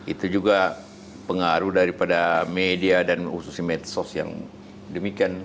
itu juga pengaruh daripada media dan khususnya medsos yang demikian